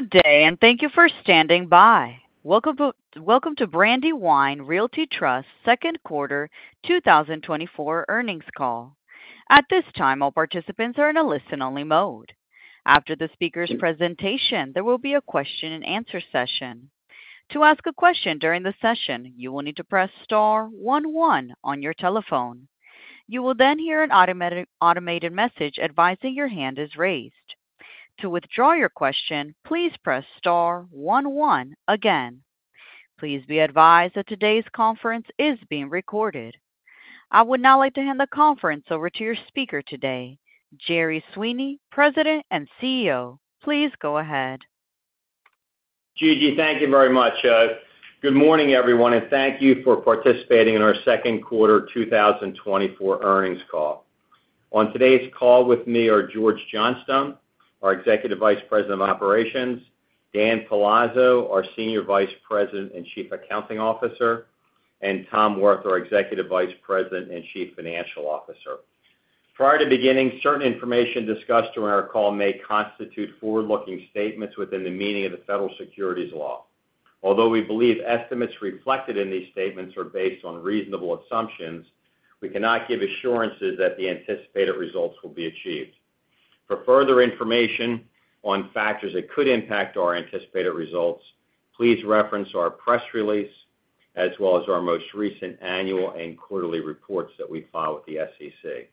Good day, and thank you for standing by. Welcome to Brandywine Realty Trust second quarter 2024 earnings call. At this time, all participants are in a listen-only mode. After the speaker's presentation, there will be a question-and-answer session. To ask a question during the session, you will need to press star one one on your telephone. You will then hear an automated message advising your hand is raised. To withdraw your question, please press star one one again. Please be advised that today's conference is being recorded. I would now like to hand the conference over to your speaker today, Jerry Sweeney, President and CEO. Please go ahead. Gigi, thank you very much. Good morning, everyone, and thank you for participating in our second quarter 2024 earnings call. On today's call with me are George Johnstone, our Executive Vice President of Operations, Dan Palazzo, our Senior Vice President and Chief Accounting Officer, and Tom Wirth, our Executive Vice President and Chief Financial Officer. Prior to beginning, certain information discussed during our call may constitute forward-looking statements within the meaning of the Federal Securities law. Although we believe estimates reflected in these statements are based on reasonable assumptions, we cannot give assurances that the anticipated results will be achieved. For further information on factors that could impact our anticipated results, please reference our press release, as well as our most recent annual and quarterly reports that we file with the SEC.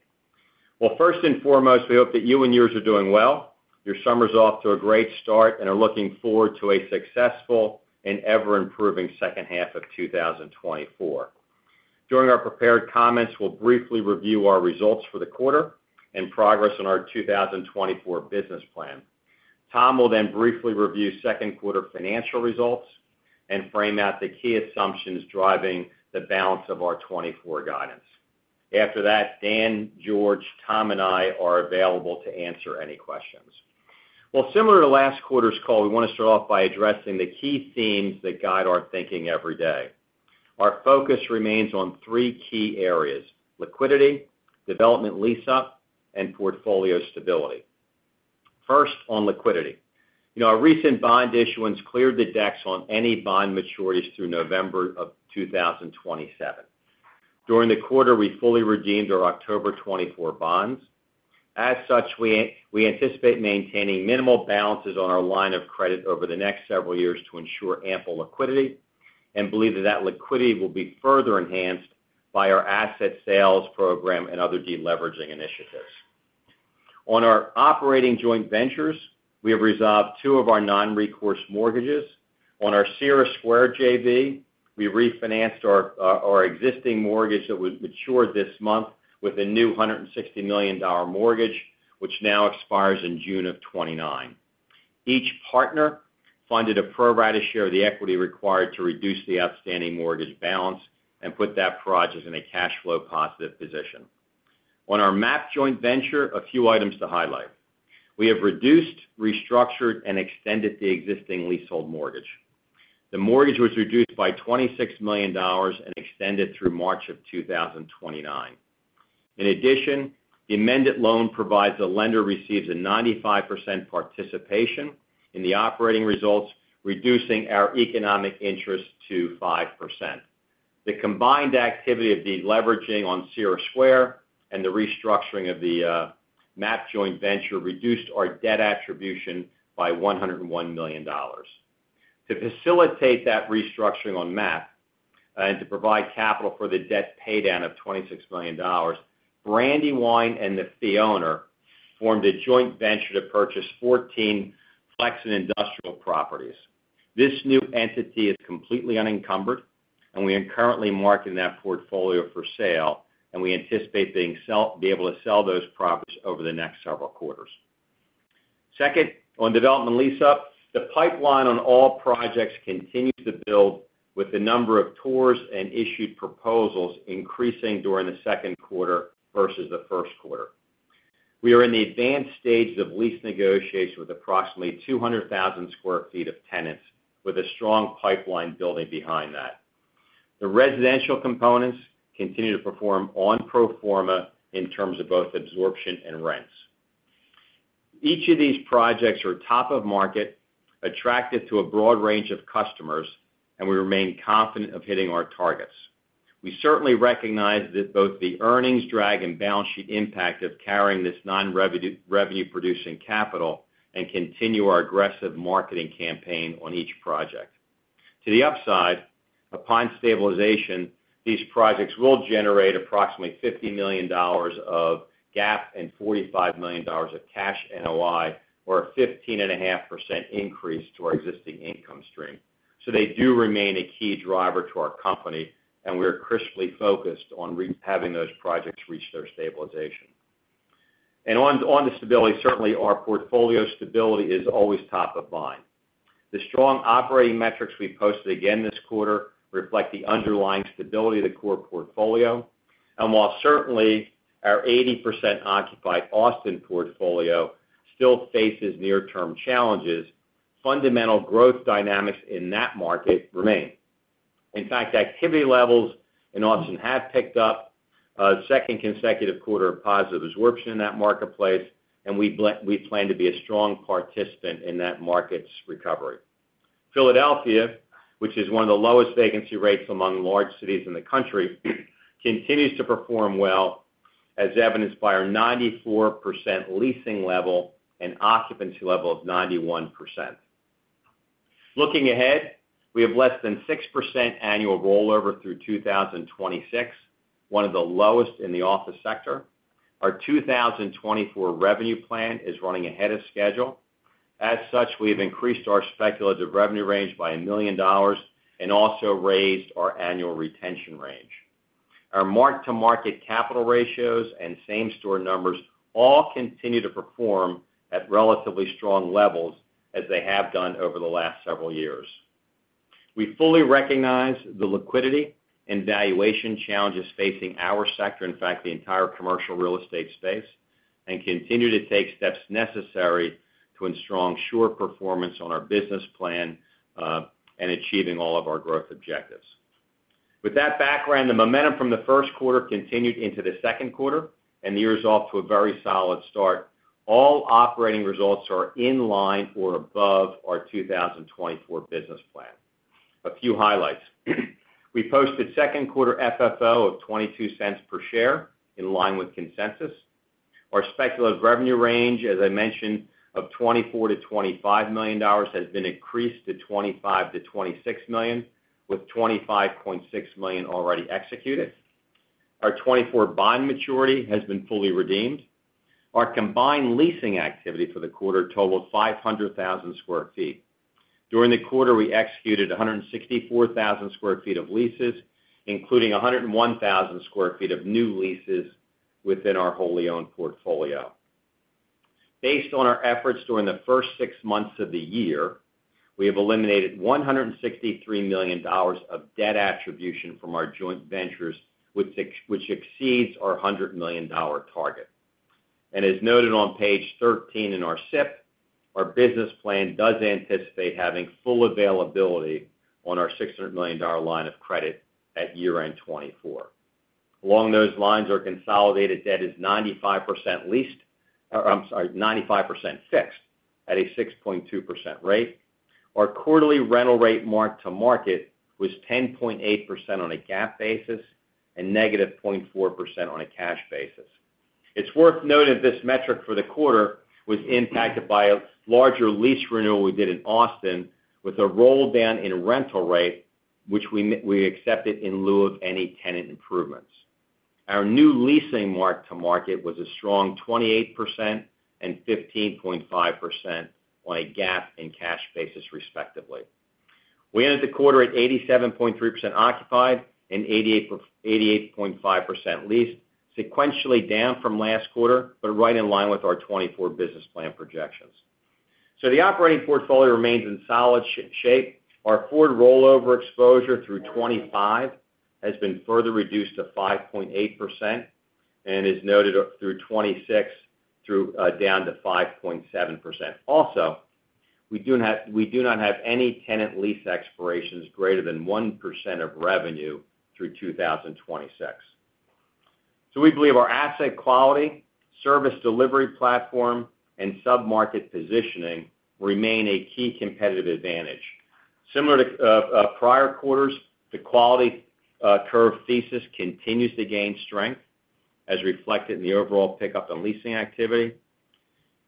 Well, first and foremost, we hope that you and yours are doing well. You're off to a great start, and we're looking forward to a successful and ever-improving second half of 2024. During our prepared comments, we'll briefly review our results for the quarter and progress on our 2024 business plan. Tom will then briefly review second quarter financial results and frame out the key assumptions driving the balance of our 2024 guidance. After that, Dan, George, Tom, and I are available to answer any questions. Well, similar to last quarter's call, we want to start off by addressing the key themes that guide our thinking every day. Our focus remains on three key areas: liquidity, development lease-up, and portfolio stability. First, on liquidity. You know, our recent bond issuance cleared the decks on any bond maturities through November 2027. During the quarter, we fully redeemed our October 2024 bonds. As such, we anticipate maintaining minimal balances on our line of credit over the next several years to ensure ample liquidity and believe that liquidity will be further enhanced by our asset sales program and other deleveraging initiatives. On our operating joint ventures, we have resolved two of our non-recourse mortgages. On our Sierra Square JV, we refinanced our existing mortgage that was matured this month with a new $160 million mortgage, which now expires in June 2029. Each partner funded a pro rata share of the equity required to reduce the outstanding mortgage balance and put that project in a cash flow positive position. On our MAP joint venture, a few items to highlight. We have reduced, restructured, and extended the existing leasehold mortgage. The mortgage was reduced by $26 million and extended through March 2029. In addition, the amended loan provides the lender receives a 95% participation in the operating results, reducing our economic interest to 5%. The combined activity of deleveraging on Cira Square and the restructuring of the MAP joint venture reduced our debt attribution by $101 million. To facilitate that restructuring on MAP and to provide capital for the debt pay down of $26 million, Brandywine and the fee owner formed a joint venture to purchase 14 flex and industrial properties. This new entity is completely unencumbered, and we are currently marketing that portfolio for sale, and we anticipate being able to sell those properties over the next several quarters. Second, on development and lease-up, the pipeline on all projects continues to build with the number of tours and issued proposals increasing during the second quarter versus the first quarter. We are in the advanced stages of lease negotiations with approximately 200,000 sq ft of tenants, with a strong pipeline building behind that. The residential components continue to perform on pro forma in terms of both absorption and rents. Each of these projects are top of market, attractive to a broad range of customers, and we remain confident of hitting our targets. We certainly recognize that both the earnings drag and balance sheet impact of carrying this non-revenue-producing capital and continue our aggressive marketing campaign on each project. To the upside, upon stabilization, these projects will generate approximately $50 million of GAAP and $45 million of cash NOI, or a 15.5% increase to our existing income stream. So they do remain a key driver to our company, and we are crisply focused on having those projects reach their stabilization. On the stability, certainly our portfolio stability is always top of mind. The strong operating metrics we posted again this quarter reflect the underlying stability of the core portfolio, and while certainly our 80% occupied Austin portfolio still faces near-term challenges, fundamental growth dynamics in that market remain. In fact, activity levels in Austin have picked up, second consecutive quarter of positive absorption in that marketplace, and we plan to be a strong participant in that market's recovery. Philadelphia, which has one of the lowest vacancy rates among large cities in the country, continues to perform well, as evidenced by our 94% leasing level and occupancy level of 91%. Looking ahead, we have less than 6% annual rollover through 2026, one of the lowest in the office sector. Our 2024 revenue plan is running ahead of schedule. As such, we have increased our speculative revenue range by $1 million and also raised our annual retention range. Our mark-to-market capital ratios and same-store numbers all continue to perform at relatively strong levels as they have done over the last several years. We fully recognize the liquidity and valuation challenges facing our sector, in fact, the entire commercial real estate space, and continue to take steps necessary to ensure performance on our business plan, and achieving all of our growth objectives. With that background, the momentum from the first quarter continued into the second quarter, and the year is off to a very solid start. All operating results are in line or above our 2024 business plan. A few highlights. We posted second quarter FFO of $0.22 per share, in line with consensus. Our speculative revenue range, as I mentioned, of $24 million-$25 million, has been increased to $25 million-$26 million, with $25.6 million already executed. Our 2024 bond maturity has been fully redeemed. Our combined leasing activity for the quarter totaled 500,000 sq ft. During the quarter, we executed 164,000 sq ft of leases, including 101,000 sq ft of new leases within our wholly owned portfolio. Based on our efforts during the first six months of the year, we have eliminated $163 million of debt attribution from our joint ventures, which exceeds our $100 million target. As noted on page 13 in our SIP, our business plan does anticipate having full availability on our $600 million line of credit at year-end 2024. Along those lines, our consolidated debt is 95% fixed at a 6.2% rate. Our quarterly rental rate mark to market was 10.8% on a GAAP basis and -0.4% on a cash basis. It's worth noting this metric for the quarter was impacted by a larger lease renewal we did in Austin with a roll down in rental rate, which we accepted in lieu of any tenant improvements. Our new leasing mark to market was a strong 28% and 15.5% on a GAAP and cash basis, respectively. We ended the quarter at 87.3% occupied and 88.5% leased, sequentially down from last quarter, but right in line with our 2024 business plan projections. So the operating portfolio remains in solid shape. Our forward rollover exposure through 2025 has been further reduced to 5.8% and is noted through 2026 through down to 5.7%. Also, we do not, we do not have any tenant lease expirations greater than 1% of revenue through 2026. So we believe our asset quality, service delivery platform, and submarket positioning remain a key competitive advantage. Similar to prior quarters, the quality curve thesis continues to gain strength, as reflected in the overall pickup in leasing activity.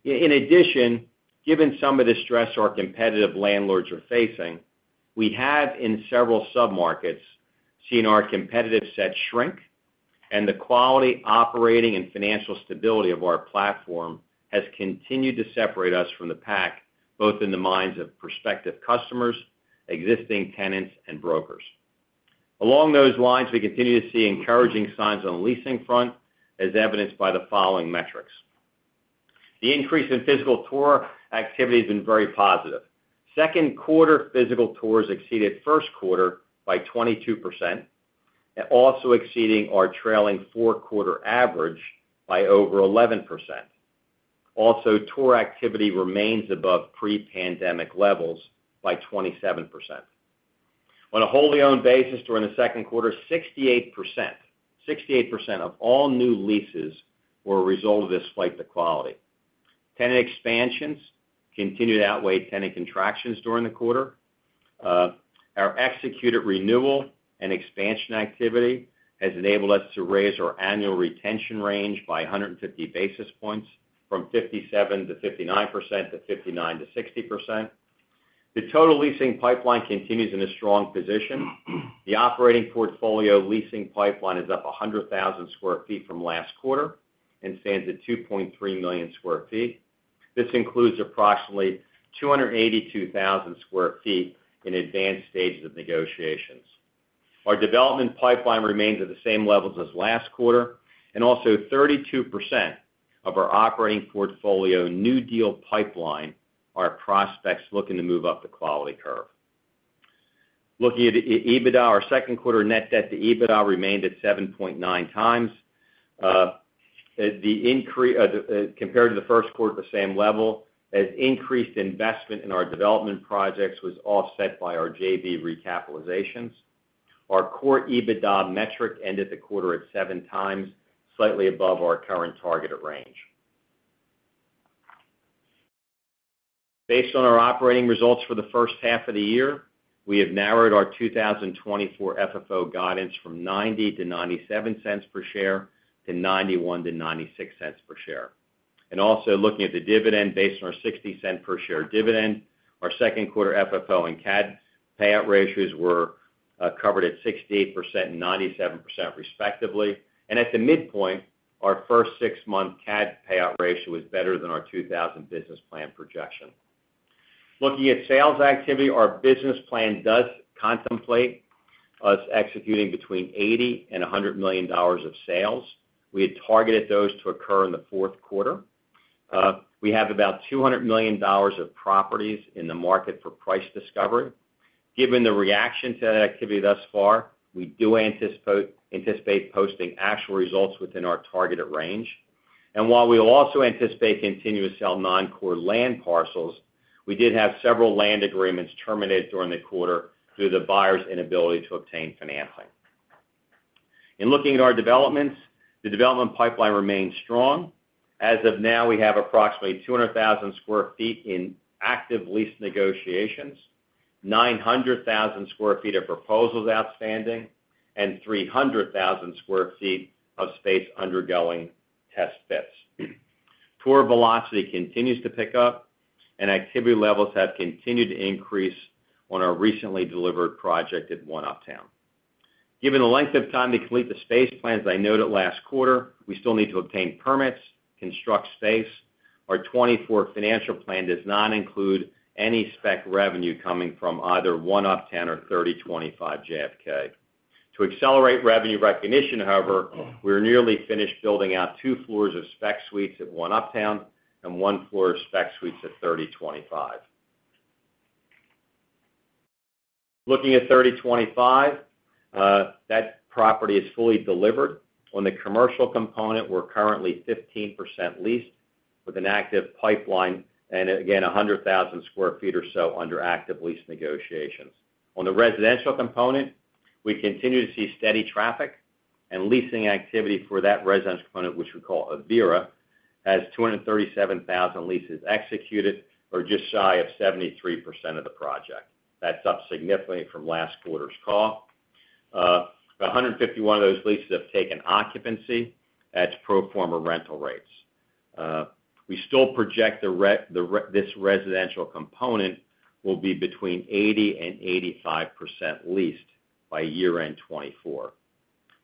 In addition, given some of the stress our competitive landlords are facing, we have, in several submarkets, seen our competitive set shrink, and the quality, operating, and financial stability of our platform has continued to separate us from the pack, both in the minds of prospective customers, existing tenants, and brokers. Along those lines, we continue to see encouraging signs on the leasing front, as evidenced by the following metrics. The increase in physical tour activity has been very positive. Second quarter physical tours exceeded first quarter by 22%, and also exceeding our trailing four-quarter average by over 11%. Also, tour activity remains above pre-pandemic levels by 27%. On a wholly owned basis, during the second quarter, 68%, 68% of all new leases were a result of this flight to quality. Tenant expansions continued to outweigh tenant contractions during the quarter. Our executed renewal and expansion activity has enabled us to raise our annual retention range by 150 basis points from 57%-59% to 59%-60%. The total leasing pipeline continues in a strong position. The operating portfolio leasing pipeline is up 100,000 sq ft from last quarter and stands at 2.3 million sq ft. This includes approximately 282,000 sq ft in advanced stages of negotiations. Our development pipeline remains at the same levels as last quarter, and also 32% of our operating portfolio new deal pipeline are prospects looking to move up the quality curve. Looking at EBITDA, our second quarter net debt to EBITDA remained at 7.9 times, compared to the first quarter at the same level, as increased investment in our development projects was offset by our JV recapitalizations. Our core EBITDA metric ended the quarter at 7 times, slightly above our current targeted range. Based on our operating results for the first half of the year, we have narrowed our 2024 FFO guidance from $0.90-$0.97 per share to $0.91-$0.96 per share. Also looking at the dividend based on our $0.60 per share dividend, our second quarter FFO and CAD payout ratios were covered at 68% and 97% respectively. At the midpoint, our first six-month CAD payout ratio was better than our 2024 business plan projection. Looking at sales activity, our business plan does contemplate us executing between $80 million and $100 million of sales. We had targeted those to occur in the fourth quarter. We have about $200 million of properties in the market for price discovery. Given the reaction to that activity thus far, we do anticipate posting actual results within our targeted range. While we will also anticipate continuing to sell non-core land parcels, we did have several land agreements terminated during the quarter due to the buyer's inability to obtain financing. In looking at our developments, the development pipeline remains strong. As of now, we have approximately 200,000 sq ft in active lease negotiations, 900,000 sq ft of proposals outstanding, and 300,000 sq ft of space undergoing test fits. Tour velocity continues to pick up, and activity levels have continued to increase on our recently delivered project at One Uptown. Given the length of time to complete the space plans, I noted last quarter, we still need to obtain permits, construct space. Our 2024 financial plan does not include any spec revenue coming from either One Uptown or 3025 JFK. To accelerate revenue recognition, however, we're nearly finished building out 2 floors of spec suites at One Uptown and 1 floor of spec suites at 3025. Looking at 3025, that property is fully delivered. On the commercial component, we're currently 15% leased with an active pipeline and again, 100,000 sq ft or so under active lease negotiations. On the residential component, we continue to see steady traffic and leasing activity for that residence component, which we call Avira, has 237,000 leases executed or just shy of 73% of the project. That's up significantly from last quarter's call. A hundred and fifty-one of those leases have taken occupancy at pro forma rental rates. We still project this residential component will be between 80% and 85% leased by year-end 2024.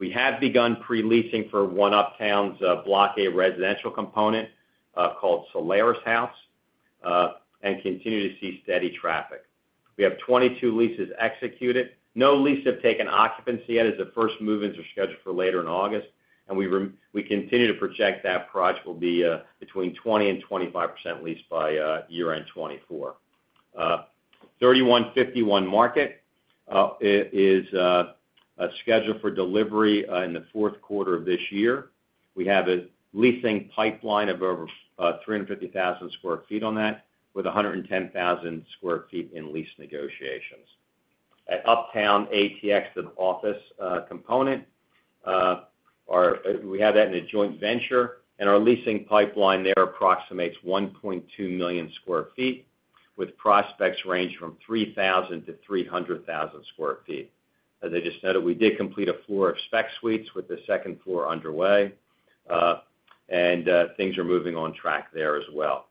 We have begun pre-leasing for One Uptown's Block A residential component, called Solaris House, and continue to see steady traffic. We have 22 leases executed. No leases have taken occupancy yet, as the first move-ins are scheduled for later in August, and we continue to project that project will be between 20% and 25% leased by year-end 2024. 3151 Market is scheduled for delivery in the fourth quarter of this year. We have a leasing pipeline of over 350,000 sq ft on that, with 110,000 sq ft in lease negotiations. At Uptown ATX, the office component, we have that in a joint venture, and our leasing pipeline there approximates 1.2 million sq ft, with prospects ranging from 3,000 to 300,000 sq ft. As I just noted, we did complete a floor of spec suites, with the second floor underway, and things are moving on track there as well.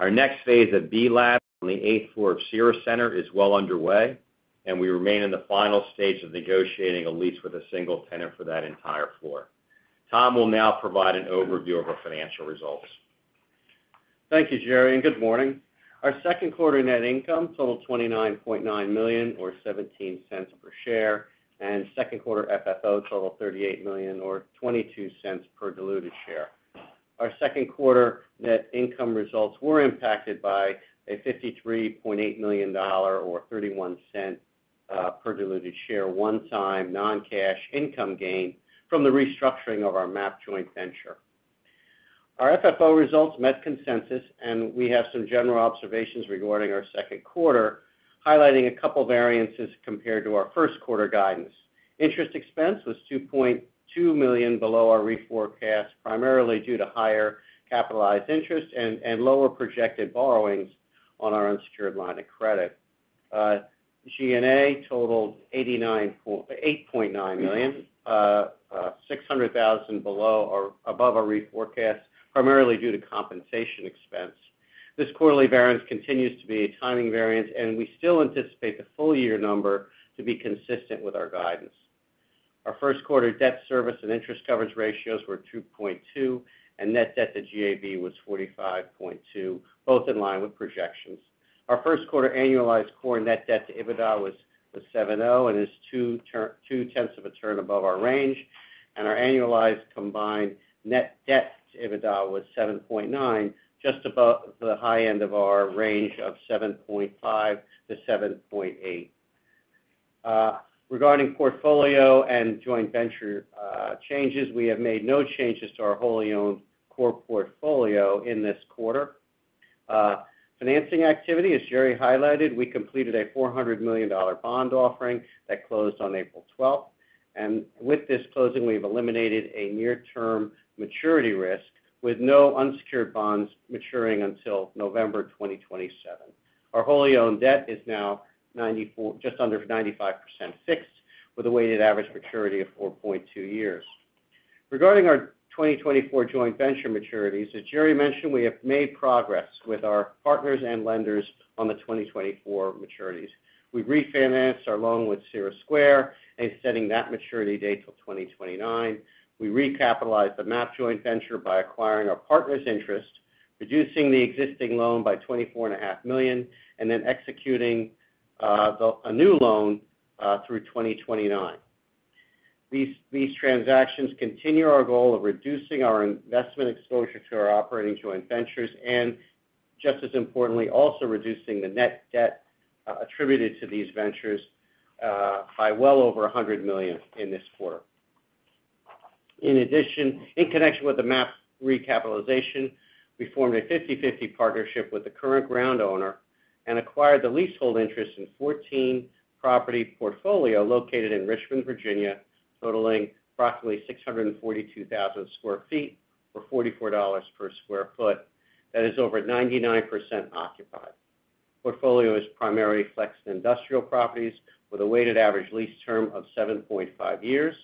Our next phase of B+labs on the eighth floor of Cira Centre is well underway, and we remain in the final stages of negotiating a lease with a single tenant for that entire floor. Tom will now provide an overview of our financial results. Thank you, Jerry, and good morning. Our second quarter net income totaled $29.9 million, or $0.17 per share, and second quarter FFO totaled $38 million, or $0.22 per diluted share. Our second quarter net income results were impacted by a $53.8 million, or $0.31 per diluted share, one-time non-cash income gain from the restructuring of our MAP joint venture. Our FFO results met consensus, and we have some general observations regarding our second quarter, highlighting a couple variances compared to our first quarter guidance. Interest expense was $2.2 million below our reforecast, primarily due to higher capitalized interest and lower projected borrowings on our unsecured line of credit. G&A totaled $8.9 million, $600,000 below or above our reforecast, primarily due to compensation expense. This quarterly variance continues to be a timing variance, and we still anticipate the full year number to be consistent with our guidance. Our first quarter debt service and interest coverage ratios were 2.2, and net debt to GAV was 45.2, both in line with projections. Our first quarter annualized core net debt to EBITDA was 7.0, and is 0.2 of a turn above our range, and our annualized combined net debt to EBITDA was 7.9, just above the high end of our range of 7.5-7.8. Regarding portfolio and joint venture changes, we have made no changes to our wholly owned core portfolio in this quarter. Financing activity, as Jerry highlighted, we completed a $400 million bond offering that closed on April 12. With this closing, we've eliminated a near-term maturity risk, with no unsecured bonds maturing until November 2027. Our wholly owned debt is now 94 just under 95% fixed, with a weighted average maturity of 4.2 years. Regarding our 2024 joint venture maturities, as Jerry mentioned, we have made progress with our partners and lenders on the 2024 maturities. We've refinanced our loan with Sierra Square, extending that maturity date till 2029. We recapitalized the MAP Joint Venture by acquiring our partner's interest, reducing the existing loan by $24.5 million, and then executing a new loan through 2029. These transactions continue our goal of reducing our investment exposure to our operating joint ventures, and just as importantly, also reducing the net debt attributed to these ventures by well over $100 million in this quarter. In addition, in connection with the MAP recapitalization, we formed a 50/50 partnership with the current ground owner and acquired the leasehold interest in 14-property portfolio located in Richmond, Virginia, totaling approximately 642,000 sq ft for $44 per sq ft. That is over 99% occupied. Portfolio is primarily flexed industrial properties with a weighted average lease term of 7.5 years.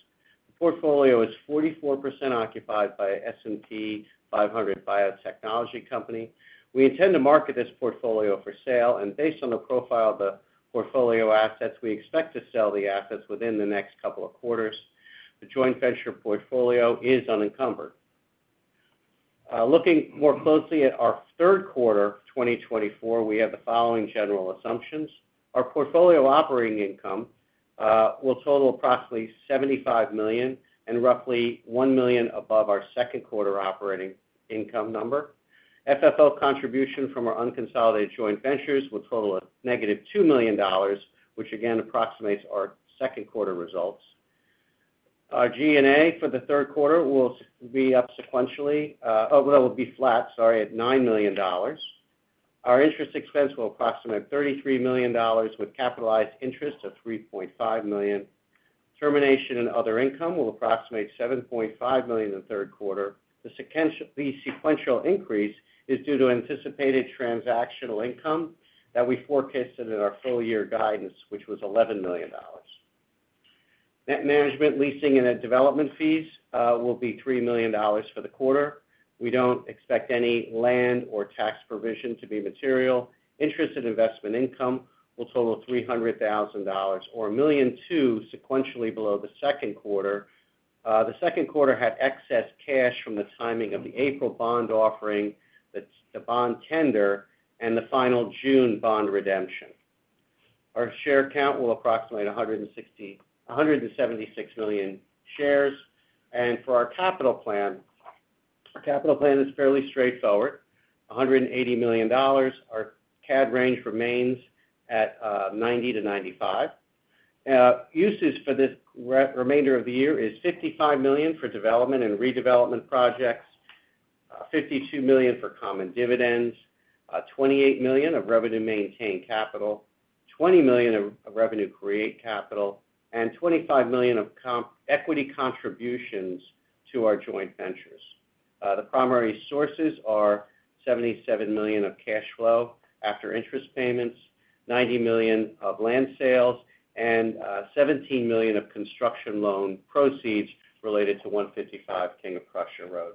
The portfolio is 44% occupied by S&P 500 biotechnology company. We intend to market this portfolio for sale, and based on the profile of the portfolio assets, we expect to sell the assets within the next couple of quarters. The joint venture portfolio is unencumbered. Looking more closely at our third quarter 2024, we have the following general assumptions. Our portfolio operating income will total approximately $75 million and roughly $1 million above our second quarter operating income number. FFO contribution from our unconsolidated joint ventures will total a negative $2 million, which again approximates our second quarter results. Our G&A for the third quarter will be up sequentially, it will be flat, at $9 million. Our interest expense will approximate $33 million, with capitalized interest of $3.5 million. Termination and other income will approximate $7.5 million in the third quarter. The sequential increase is due to anticipated transactional income that we forecasted in our full-year guidance, which was $11 million. Net management, leasing, and development fees will be $3 million for the quarter. We don't expect any land or tax provision to be material. Interest and investment income will total $300,000, or $1.2 million sequentially below the second quarter. The second quarter had excess cash from the timing of the April bond offering, the bond tender, and the final June bond redemption. Our share count will approximate 176 million shares. For our capital plan, our capital plan is fairly straightforward, $180 million. Our CAD range remains at 90-95. Uses for this remainder of the year is $55 million for development and redevelopment projects, $52 million for common dividends, $28 million of revenue maintained capital, $20 million of revenue create capital, and $25 million of equity contributions to our joint ventures. The primary sources are $77 million of cash flow after interest payments, $90 million of land sales, and $17 million of construction loan proceeds related to 155 King of Prussia Road.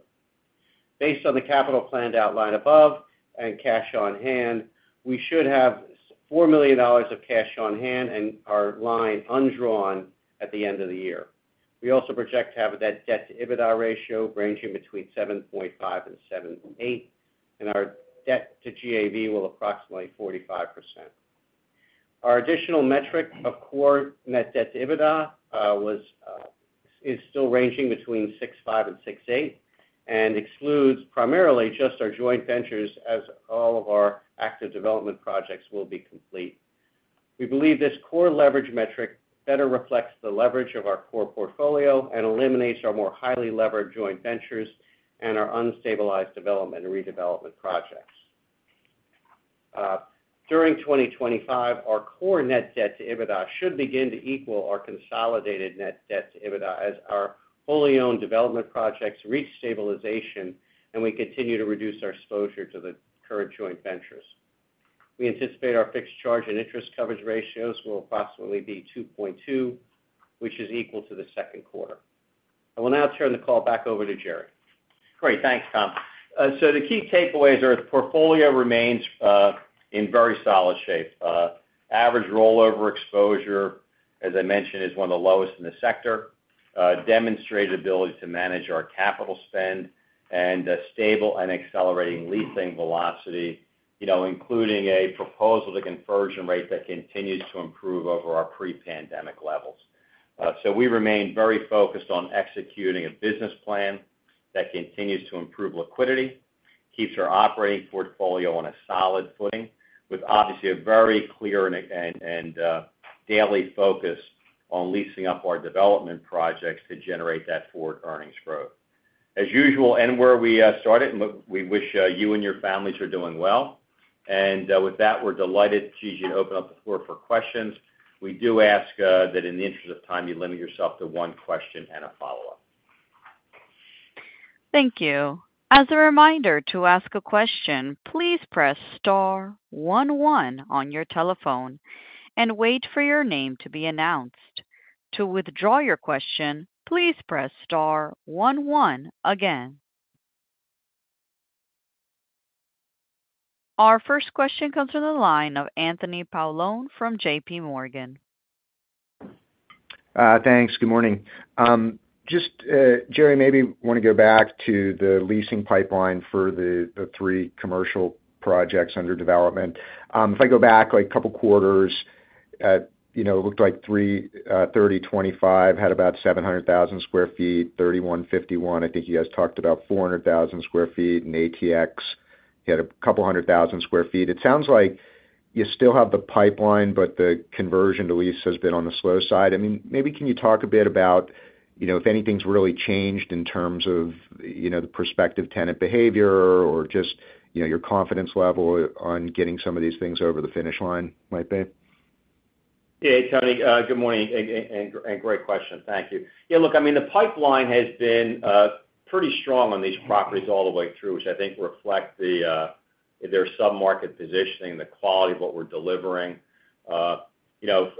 Based on the capital planned outline above and cash on hand, we should have four million dollars of cash on hand and our line undrawn at the end of the year. We also project to have a debt to EBITDA ratio ranging between 7.5-7.8, and our debt to GAV will approximately 45%. Our additional metric of core net debt to EBITDA is still ranging between 6.5-6.8, and excludes primarily just our joint ventures as all of our active development projects will be complete. We believe this core leverage metric better reflects the leverage of our core portfolio and eliminates our more highly levered joint ventures and our unstabilized development and redevelopment projects. During 2025, our core net debt to EBITDA should begin to equal our consolidated net debt to EBITDA as our wholly owned development projects reach stabilization, and we continue to reduce our exposure to the current joint ventures. We anticipate our fixed charge and interest coverage ratios will approximately be 2.2, which is equal to the second quarter. I will now turn the call back over to Jerry. Great. Thanks, Tom. So the key takeaways are the portfolio remains in very solid shape. Average rollover exposure, as I mentioned, is one of the lowest in the sector, demonstrated ability to manage our capital spend, and a stable and accelerating leasing velocity, you know, including a proposal to conversion rate that continues to improve over our pre-pandemic levels. So we remain very focused on executing a business plan that continues to improve liquidity, keeps our operating portfolio on a solid footing, with obviously, a very clear and daily focus on leasing up our development projects to generate that forward earnings growth. As usual, and where we started, we wish you and your families are doing well. And, with that, we're delighted to usually open up the floor for questions. We do ask, that in the interest of time, you limit yourself to one question and a follow-up. Thank you. As a reminder, to ask a question, please press star one one on your telephone, and wait for your name to be announced. To withdraw your question, please press star one one again. Our first question comes from the line of Anthony Paolone from JP Morgan. Thanks. Good morning. Just, Jerry, maybe want to go back to the leasing pipeline for the three commercial projects under development. If I go back like a couple of quarters, you know, it looked like 3025 had about 700,000 sq ft, 3151, I think you guys talked about 400,000 sq ft, and ATX, you had a couple hundred thousand sq ft. It sounds like you still have the pipeline, but the conversion to lease has been on the slow side. I mean, maybe can you talk a bit about, you know, if anything's really changed in terms of, you know, the prospective tenant behavior or just, you know, your confidence level on getting some of these things over the finish line, might be? Yeah, Tony, good morning, and great question. Thank you. Yeah, look, I mean, the pipeline has been pretty strong on these properties all the way through, which I think reflect the their sub-market positioning, the quality of what we're delivering. You know,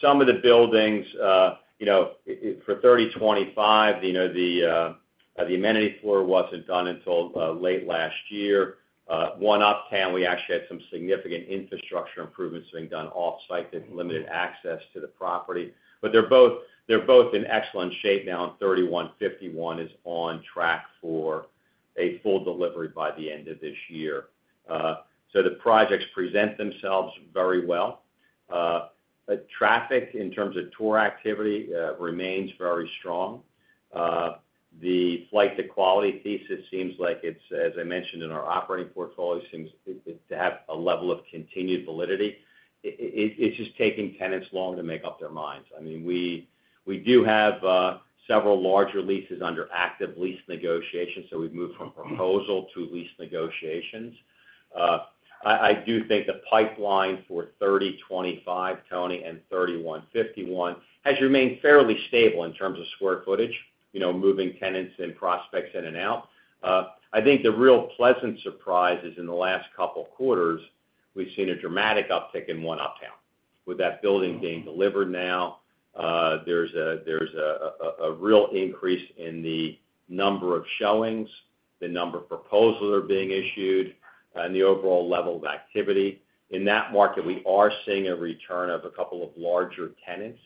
some of the buildings, you know, for 3025, you know, the amenity floor wasn't done until late last year. One Uptown, we actually had some significant infrastructure improvements being done off-site that limited access to the property. But they're both, they're both in excellent shape now, and 3151 is on track for a full delivery by the end of this year. So the projects present themselves very well. But traffic, in terms of tour activity, remains very strong. The flight to quality piece, it seems like it's, as I mentioned in our operating portfolio, seems to have a level of continued validity. It's just taking tenants longer to make up their minds. I mean, we do have several larger leases under active lease negotiations, so we've moved from proposal to lease negotiations. I do think the pipeline for 3025, Tony, and 3151, has remained fairly stable in terms of square footage, you know, moving tenants and prospects in and out. I think the real pleasant surprise is in the last couple of quarters, we've seen a dramatic uptick in One Uptown. With that building being delivered now, there's a real increase in the number of showings, the number of proposals that are being issued, and the overall level of activity. In that market, we are seeing a return of a couple of larger tenants.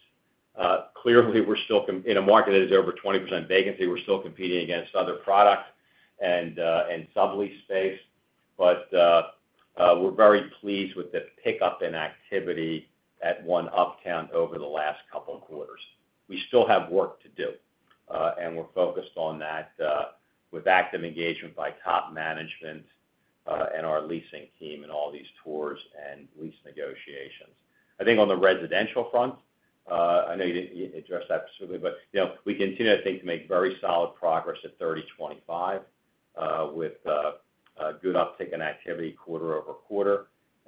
Clearly, we're still in a market that is over 20% vacancy, we're still competing against other products and, and sublease space. But, we're very pleased with the pickup in activity at One Uptown over the last couple of quarters. We still have work to do, and we're focused on that, with active engagement by top management, and our leasing team in all these tours and lease negotiations. I think on the residential front, I know you didn't address that specifically, but, you know, we continue, I think, to make very solid progress at 3025, with a good uptick in activity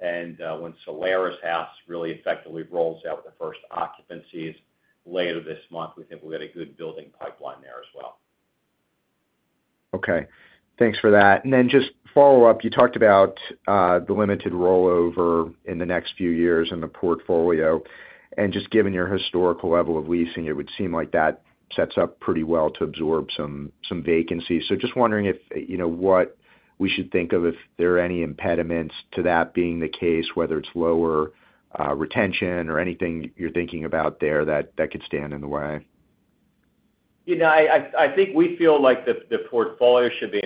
QoQ. When Solaris House really effectively rolls out with the first occupancies later this month, we think we've got a good building pipeline there as well. Okay. Thanks for that. And then just follow up, you talked about the limited rollover in the next few years in the portfolio, and just given your historical level of leasing, it would seem like that sets up pretty well to absorb some vacancies. So just wondering if, you know, what we should think of if there are any impediments to that being the case, whether it's lower retention or anything you're thinking about there that could stand in the way? You know, I think we feel like the operating portfolio should be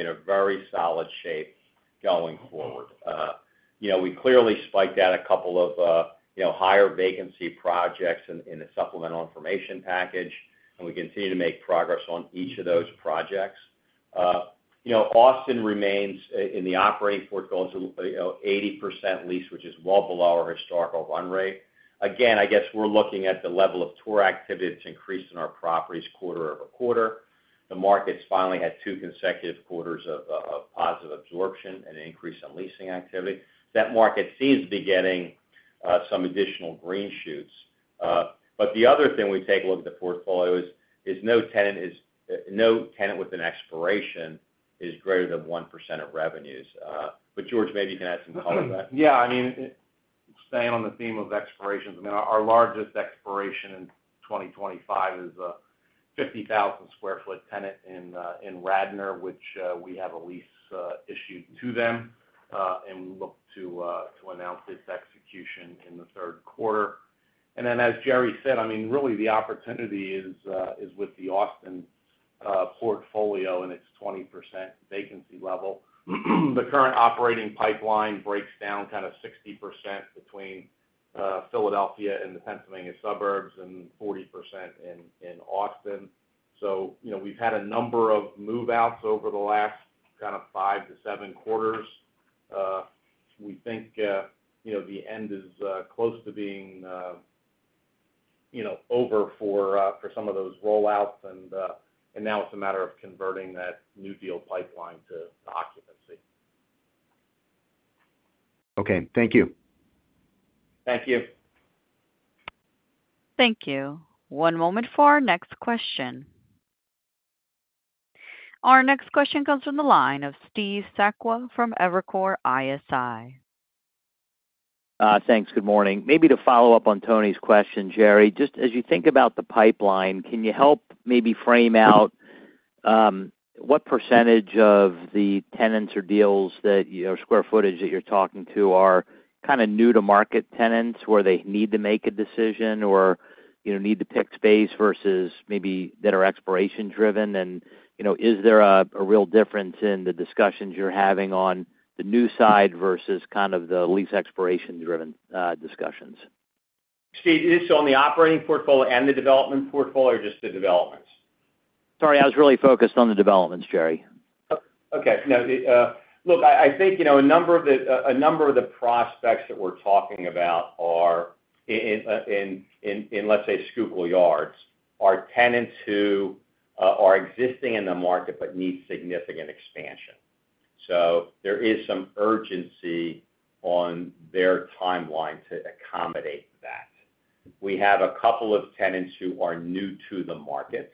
in a very solid shape going forward. You know, we clearly spiked out a couple of higher vacancy projects in the supplemental information package, and we continue to make progress on each of those projects. You know, Austin remains in the operating portfolio, you know, 80% leased, which is well below our historical run rate. Again, I guess we're looking at the level of tour activity to increase in our properties QoQ. The market's finally had two consecutive quarters of positive absorption and an increase in leasing activity. That market seems to be getting some additional green shoots. But the other thing we take a look at the portfolio is no tenant with an expiration is greater than 1% of revenues. But George, maybe you can add some color to that. Yeah, I mean, staying on the theme of expirations, I mean, our largest expiration in 2025 is a 50,000 sq ft tenant in Radnor, which we have a lease issued to them and look to announce its execution in the third quarter. And then, as Jerry said, I mean, really, the opportunity is with the Austin portfolio and its 20% vacancy level. The current operating pipeline breaks down kind of 60% between Philadelphia and the Pennsylvania suburbs and 40% in Austin. So, you know, we've had a number of move-outs over the last kind of 5-7 quarters. We think, you know, the end is close to being, you know, over for some of those rollouts, and now it's a matter of converting that new deal pipeline to occupancy. Okay. Thank you. Thank you. Thank you. One moment for our next question. Our next question comes from the line of Steve Sakwa from Evercore ISI. Thanks. Good morning. Maybe to follow up on Tony's question, Jerry, just as you think about the pipeline, can you help maybe frame out what percentage of the tenants or deals that, you know, square footage that you're talking to are kind of new to market tenants, where they need to make a decision or, you know, need to pick space versus maybe that are expiration driven? And, you know, is there a real difference in the discussions you're having on the new side versus kind of the lease expiration driven discussions? Steve, is this on the operating portfolio and the development portfolio, or just the developments? Sorry, I was really focused on the developments, Jerry. Oh, okay. Now, Look, I think, you know, a number of the prospects that we're talking about are in, let's say, Schuylkill Yards, are tenants who are existing in the market but need significant expansion. So there is some urgency on their timeline to accommodate that. We have a couple of tenants who are new to the market.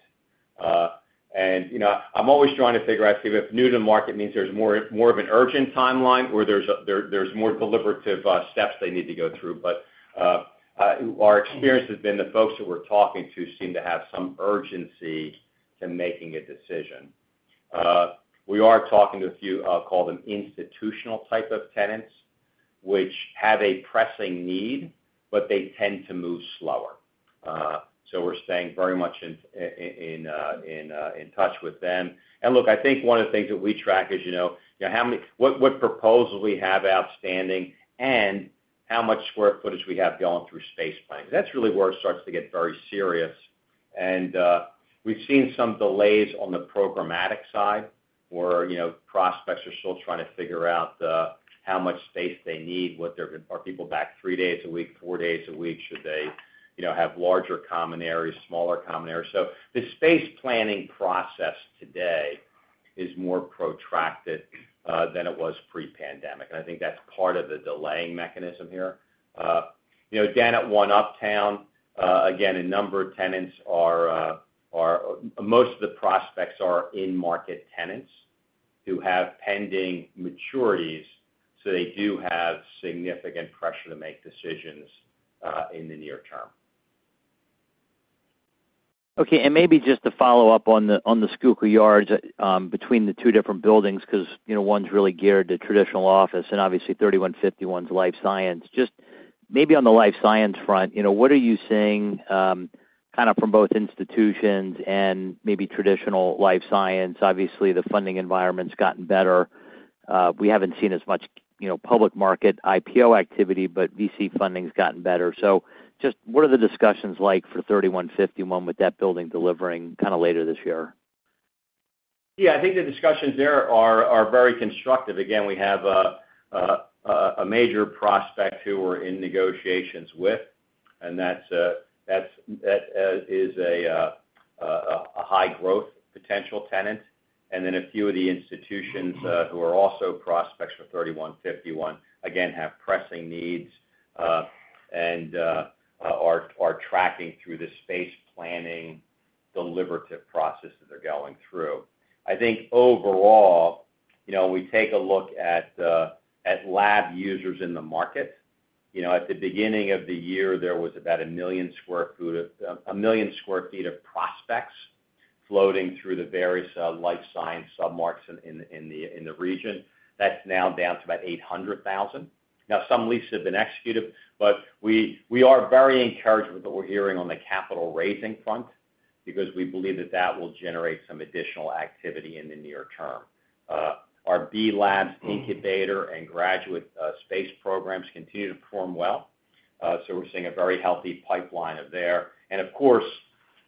And, you know, I'm always trying to figure out, Steve, if new to market means there's more of an urgent timeline or there's more deliberative steps they need to go through. But, our experience has been the folks who we're talking to seem to have some urgency to making a decision. We are talking to a few, call them institutional type of tenants, which have a pressing need, but they tend to move slower. So we're staying very much in touch with them. And look, I think one of the things that we track is, you know, how many proposals we have outstanding and how much square footage we have going through space planning. That's really where it starts to get very serious. And we've seen some delays on the programmatic side, where, you know, prospects are still trying to figure out how much space they need, what they are— are people back three days a week, four days a week? Should they, you know, have larger common areas, smaller common areas? So the space planning process today is more protracted than it was pre-pandemic, and I think that's part of the delaying mechanism here. You know, again, at One Uptown, again, a number of tenants are. Most of the prospects are in-market tenants who have pending maturities, so they do have significant pressure to make decisions in the near term. Okay, and maybe just to follow up on the Schuylkill Yards, between the two different buildings, because, you know, one's really geared to traditional office, and obviously, 3151's life science. Just maybe on the life science front, you know, what are you seeing, kind of from both institutions and maybe traditional life science? Obviously, the funding environment's gotten better. We haven't seen as much, you know, public market IPO activity, but VC funding's gotten better. So just what are the discussions like for 3151 with that building delivering kind of later this year? Yeah, I think the discussions there are very constructive. Again, we have a major prospect who we're in negotiations with, and that's a high growth potential tenant. And then a few of the institutions who are also prospects for 3151 again have pressing needs and are tracking through the space planning deliberative process that they're going through. I think overall, you know, when we take a look at lab users in the market, you know, at the beginning of the year, there was about 1 million sq ft of prospects floating through the various life science submarkets in the region. That's now down to about 800,000 sq ft. Now, some leases have been executed, but we, we are very encouraged with what we're hearing on the capital raising front, because we believe that that will generate some additional activity in the near term. Our B Labs incubator and graduate space programs continue to perform well, so we're seeing a very healthy pipeline there. And of course,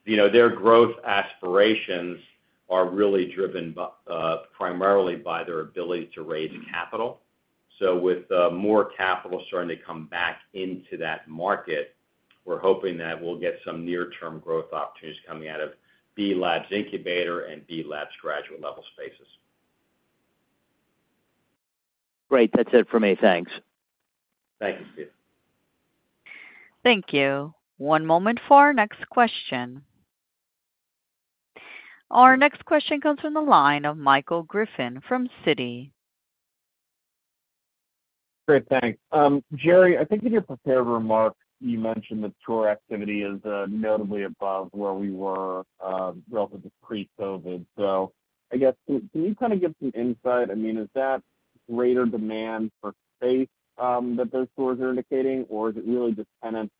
you know, their growth aspirations are really driven by, primarily by their ability to raise capital. So with, more capital starting to come back into that market, we're hoping that we'll get some near-term growth opportunities coming out of B Labs incubator and B Labs graduate-level spaces. Great. That's it for me. Thanks. Thank you, Steve. Thank you. One moment for our next question. Our next question comes from the line of Michael Griffin from Citi. Great, thanks. Jerry, I think in your prepared remarks, you mentioned that tour activity is notably above where we were relative to pre-COVID. So I guess, can you kind of give some insight? I mean, is that greater demand for space that those tours are indicating, or is it really just tenants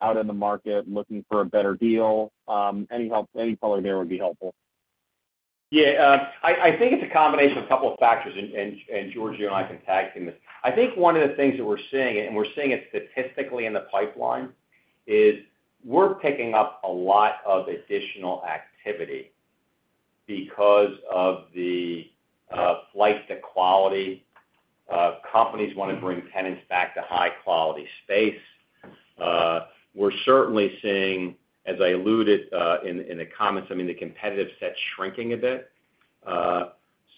out in the market looking for a better deal? Any help, any color there would be helpful. Yeah, I think it's a combination of a couple of factors, and George, you and I can tag in this. I think one of the things that we're seeing, and we're seeing it statistically in the pipeline, is we're picking up a lot of additional activity because of the flight to quality. Companies want to bring tenants back to high-quality space. We're certainly seeing, as I alluded, in the comments, I mean, the competitive set shrinking a bit.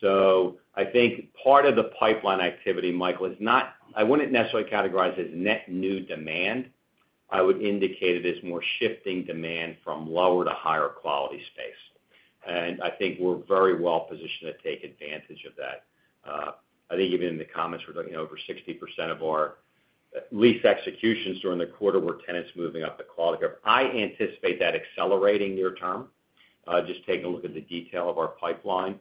So I think part of the pipeline activity, Michael, is not. I wouldn't necessarily categorize it as net new demand. I would indicate it as more shifting demand from lower to higher quality space. And I think we're very well positioned to take advantage of that. I think even in the comments, we're looking, you know, over 60% of our lease executions during the quarter were tenants moving up the quality curve. I anticipate that accelerating near term, just taking a look at the detail of our pipeline.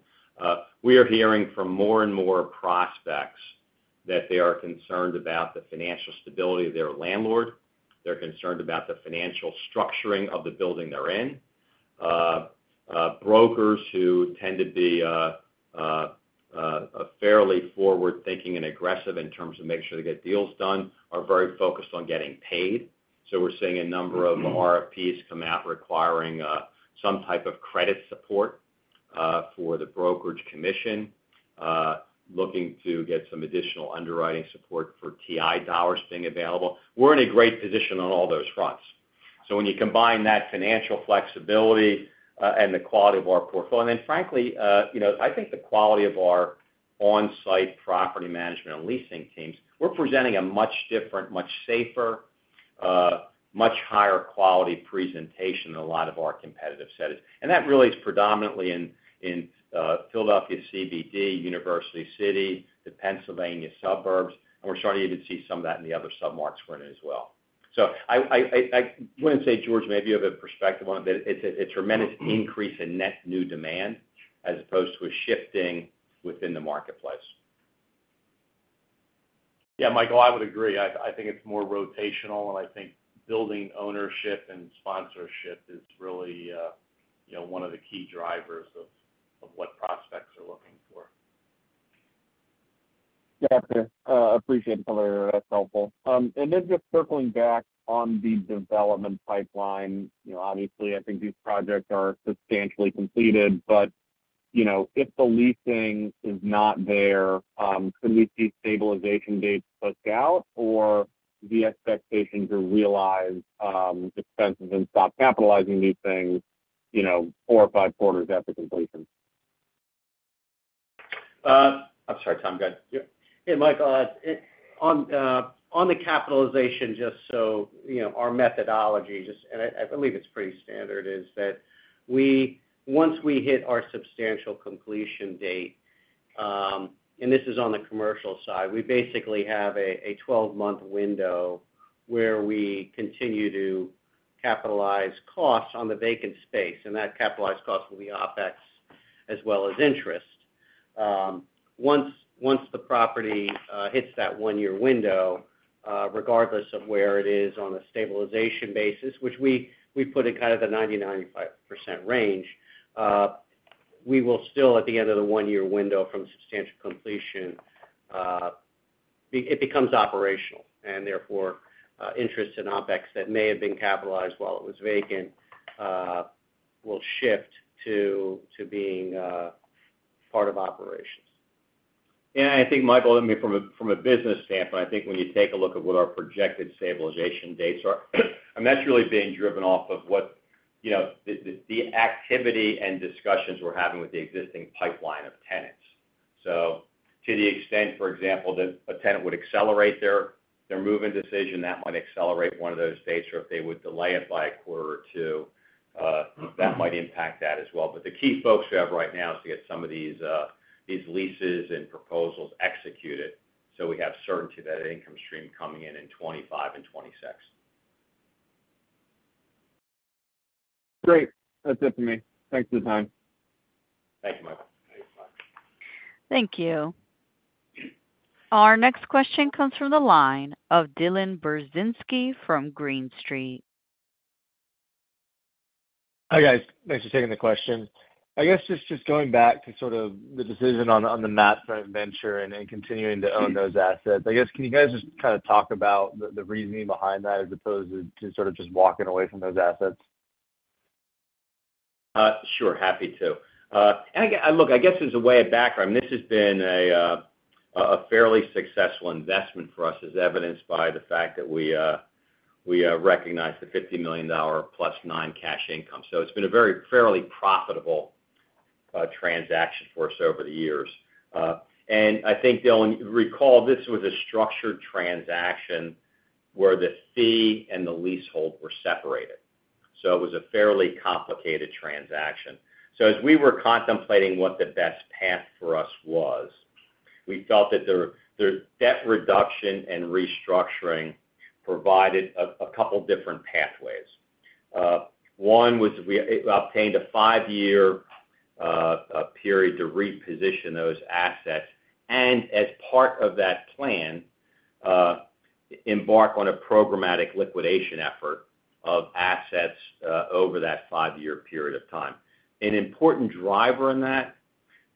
We are hearing from more and more prospects that they are concerned about the financial stability of their landlord. They're concerned about the financial structuring of the building they're in. Brokers who tend to be fairly forward-thinking and aggressive in terms of making sure they get deals done, are very focused on getting paid. So we're seeing a number of RFPs come out requiring some type of credit support for the brokerage commission, looking to get some additional underwriting support for TI dollars being available. We're in a great position on all those fronts. So when you combine that financial flexibility, and the quality of our portfolio, and then frankly, you know, I think the quality of our on-site property management and leasing teams, we're presenting a much different, much safer, much higher quality presentation than a lot of our competitive set is. And that really is predominantly in Philadelphia CBD, University City, the Pennsylvania suburbs, and we're starting to even see some of that in the other submarkets we're in as well. So I wouldn't say, George, maybe you have a perspective on it, but it's a tremendous increase in net new demand as opposed to a shifting within the marketplace. Yeah, Michael, I would agree. I think it's more rotational, and I think building ownership and sponsorship is really, you know, one of the key drivers of what prospects are looking for. Yeah, appreciate it, that's helpful. And then just circling back on the development pipeline, you know, obviously, I think these projects are substantially completed. But, you know, if the leasing is not there, can we see stabilization dates pushed out? Or the expectation to realize, expenses and stop capitalizing these things, you know, four or five quarters after completion? I'm sorry, Tom, go ahead. Yeah. Hey, Michael, on the capitalization, just so you know, our methodology, just, and I believe it's pretty standard, is that once we hit our substantial completion date, and this is on the commercial side, we basically have a 12-month window where we continue to capitalize costs on the vacant space, and that capitalized cost will be OpEx as well as interest. Once the property hits that one-year window, regardless of where it is on a stabilization basis, which we put in kind of the 90-95% range, we will still, at the end of the one-year window from substantial completion, it becomes operational, and therefore, interest in OpEx that may have been capitalized while it was vacant, will shift to being part of operations. Yeah, I think Michael, I mean, from a business standpoint, I think when you take a look at what our projected stabilization dates are, and that's really being driven off of what, you know, the activity and discussions we're having with the existing pipeline of tenants. So to the extent, for example, that a tenant would accelerate their move-in decision, that might accelerate one of those dates, or if they would delay it by a quarter or two, that might impact that as well. But the key focus we have right now is to get some of these leases and proposals executed, so we have certainty that income stream coming in in 2025 and 2026. Great. That's it for me. Thanks for the time. Thank you, Michael. Thanks, bye. Thank you. Our next question comes from the line of Dylan Burzinski from Green Street. Hi, guys. Thanks for taking the question. I guess just going back to sort of the decision on the MAP Joint Venture and continuing to own those assets. I guess, can you guys just kind of talk about the reasoning behind that, as opposed to sort of just walking away from those assets? Sure. Happy to. And again, look, I guess as a way of background, this has been a fairly successful investment for us, as evidenced by the fact that we recognized the $50 million plus $9 million cash income. So it's been a very fairly profitable transaction for us over the years. And I think, Dylan, recall, this was a structured transaction where the fee and the leasehold were separated. So it was a fairly complicated transaction. So as we were contemplating what the best path for us was, we felt that the debt reduction and restructuring provided a couple different pathways. One was we obtained a five-year period to reposition those assets. And as part of that plan, embark on a programmatic liquidation effort of assets over that five-year period of time. An important driver in that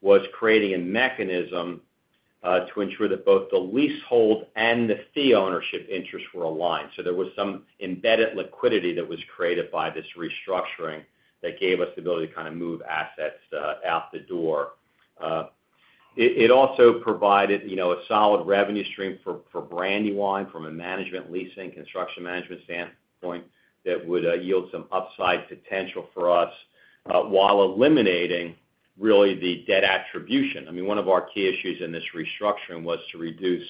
was creating a mechanism to ensure that both the leasehold and the fee ownership interests were aligned. So there was some embedded liquidity that was created by this restructuring, that gave us the ability to kind of move assets out the door. It also provided, you know, a solid revenue stream for Brandywine, from a management leasing, construction management standpoint, that would yield some upside potential for us, while eliminating really the debt attribution. I mean, one of our key issues in this restructuring was to reduce,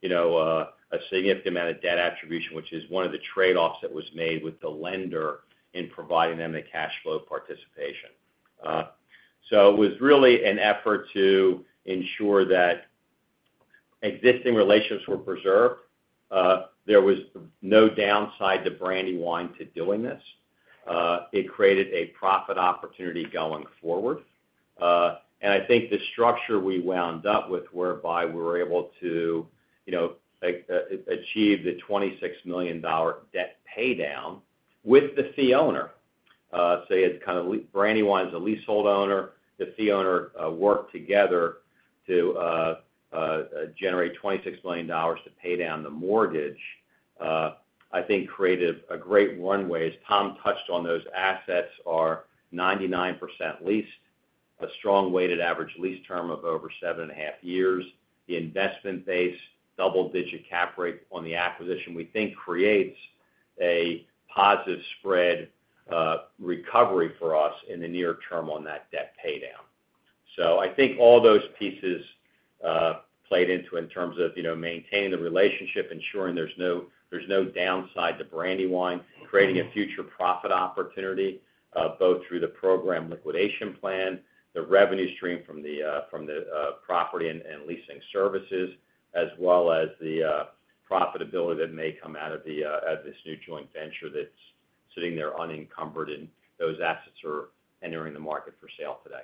you know, a significant amount of debt attribution, which is one of the trade-offs that was made with the lender in providing them the cash flow participation. So it was really an effort to ensure that existing relationships were preserved. There was no downside to Brandywine to doing this. It created a profit opportunity going forward. And I think the structure we wound up with, whereby we were able to, you know, achieve the $26 million debt pay down with the fee owner. Say it's kind of like Brandywine's a leasehold owner, the fee owner worked together to generate $26 million to pay down the mortgage. I think created a great runway. As Tom touched on, those assets are 99% leased, a strong weighted average lease term of over 7.5 years. The investment base, double-digit cap rate on the acquisition, we think creates a positive spread, recovery for us in the near term on that debt pay down. So I think all those pieces played into, in terms of, you know, maintaining the relationship, ensuring there's no downside to Brandywine, creating a future profit opportunity, both through the program liquidation plan, the revenue stream from the property and leasing services, as well as the profitability that may come out of this new joint venture that's sitting there unencumbered, and those assets are entering the market for sale today.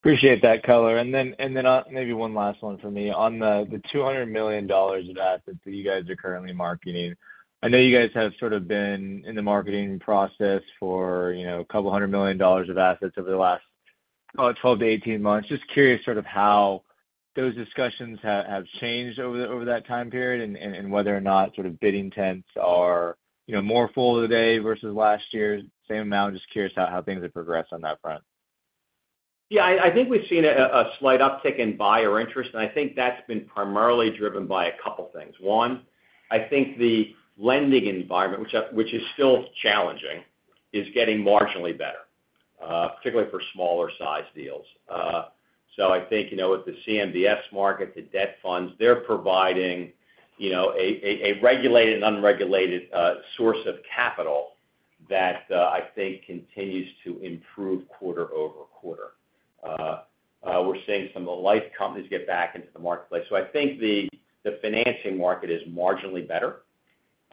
Appreciate that color. And then, maybe one last one for me. On the $200 million of assets that you guys are currently marketing, I know you guys have sort of been in the marketing process for, you know, a couple hundred million dollars of assets over the last, oh, 12-18 months. Just curious, sort of how those discussions have changed over that time period, and whether or not sort of bidding tents are, you know, more full today versus last year's same amount? Just curious how things have progressed on that front. Yeah, I think we've seen a slight uptick in buyer interest, and I think that's been primarily driven by a couple things. One, I think the lending environment, which is still challenging, is getting marginally better, particularly for smaller-sized deals. So I think, you know, with the CMBS market, the debt funds, they're providing, you know, a regulated and unregulated source of capital that I think continues to improve QoQ. We're seeing some of the life companies get back into the marketplace. So I think the financing market is marginally better.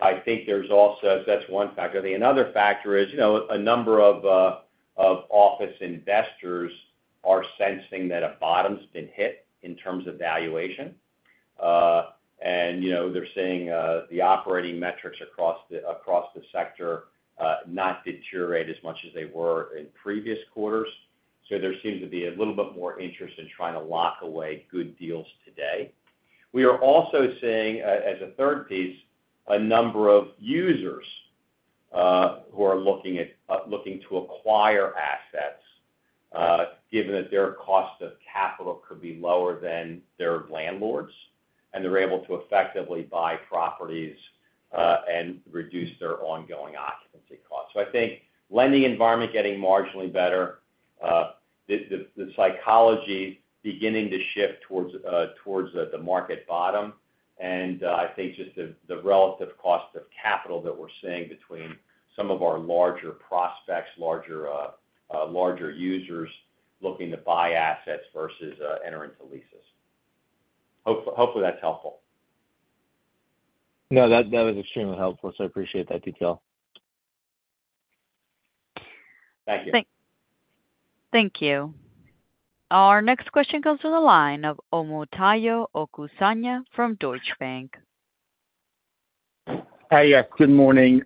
I think there's also, so that's one factor. The another factor is, you know, a number of office investors are sensing that a bottom's been hit in terms of valuation. and, you know, they're seeing, the operating metrics across the, across the sector, not deteriorate as much as they were in previous quarters. So there seems to be a little bit more interest in trying to lock away good deals today. We are also seeing, as a third piece, a number of users, who are looking to acquire assets, given that their cost of capital could be lower than their landlords, and they're able to effectively buy properties, and reduce their ongoing occupancy costs. So I think lending environment getting marginally better, the psychology beginning to shift towards the market bottom, and I think just the relative cost of capital that we're seeing between some of our larger prospects, larger users looking to buy assets versus enter into leases. Hopefully, that's helpful. No, that, that was extremely helpful, so I appreciate that detail. Thank you. Thank you. Our next question comes from the line of Omotayo Okusanya from Deutsche Bank. Hi, yes, good morning.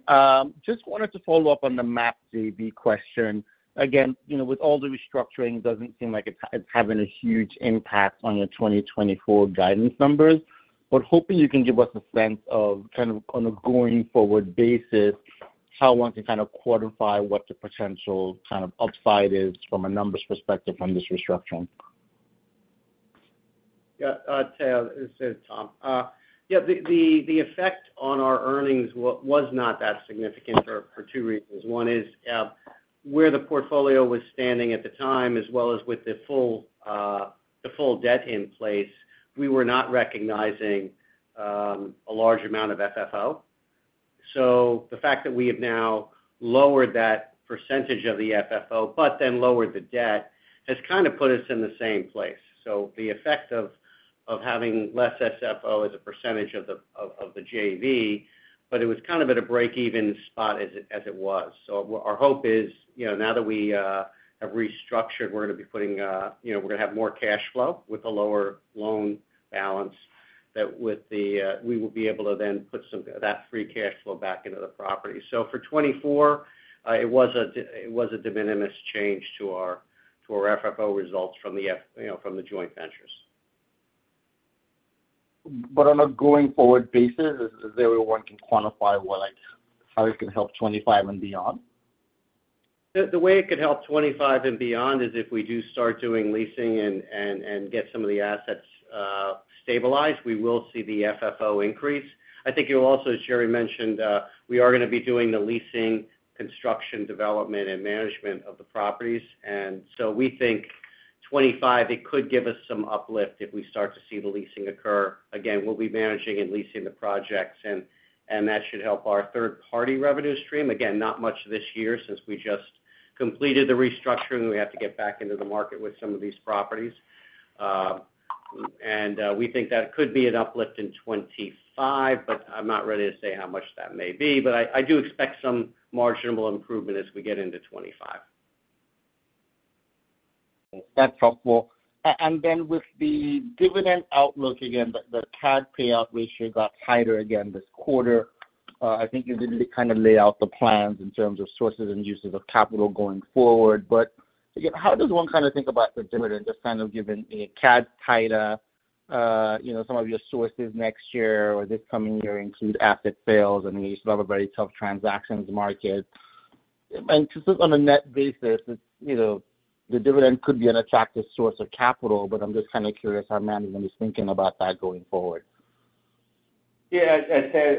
Just wanted to follow up on the MAP JV question. Again, you know, with all the restructuring, it doesn't seem like it's, it's having a huge impact on the 2024 guidance numbers. But hoping you can give us a sense of kind of, on a going forward basis, how one can kind of quantify what the potential kind of upside is from a numbers perspective on this restructuring? Yeah, the effect on our earnings was not that significant for two reasons. One is where the portfolio was standing at the time, as well as with the full debt in place, we were not recognizing a large amount of FFO. So the fact that we have now lowered that percentage of the FFO, but then lowered the debt, has kind of put us in the same place. So the effect of having less FFO as a percentage of the JV, but it was kind of at a break-even spot as it was. So our hope is, you know, now that we have restructured, we're gonna be putting, you know, we're gonna have more cash flow with a lower loan balance that with the, we will be able to then put some of that free cash flow back into the property. So for 2024, it was a de minimis change to our, to our FFO results from the, you know, from the joint ventures. But on a going forward basis, is there where one can quantify what, like, how it can help 2025 and beyond? The way it could help 2025 and beyond is if we do start doing leasing and get some of the assets stabilized, we will see the FFO increase. I think you'll also, as Jerry mentioned, we are gonna be doing the leasing, construction, development, and management of the properties. And so we think 2025, it could give us some uplift if we start to see the leasing occur. Again, we'll be managing and leasing the projects, and that should help our third-party revenue stream. Again, not much this year since we just completed the restructuring, and we have to get back into the market with some of these properties. We think that could be an uplift in 2025, but I'm not ready to say how much that may be. I do expect some marginal improvement as we get into 2025. That's helpful. And then with the dividend outlook, again, the CAD payout ratio got tighter again this quarter. I think you did kind of lay out the plans in terms of sources and uses of capital going forward. But, again, how does one kind of think about the dividend, just kind of given a CAD tighter, you know, some of your sources next year or this coming year include asset sales, and we still have a very tough transactions market. And just on a net basis, it's, you know, the dividend could be an attractive source of capital, but I'm just kind of curious how management is thinking about that going forward. Yeah, I'd say,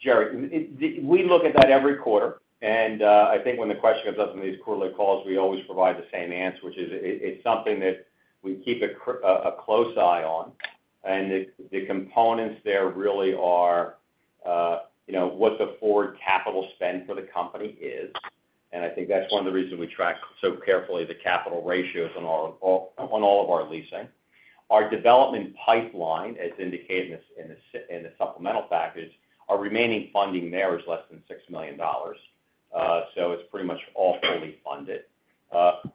Jerry, we look at that every quarter, and I think when the question comes up in these quarterly calls, we always provide the same answer, which is, it's something that we keep a close eye on. And the components there really are, you know, what the forward capital spend for the company is, and I think that's one of the reasons we track so carefully the capital ratios on all of our leasing. Our development pipeline, as indicated in the supplemental package, our remaining funding there is less than $6 million. So it's pretty much all fully funded.